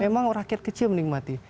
memang rakyat kecil menikmati